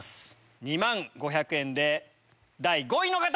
２万５００円で第５位の方！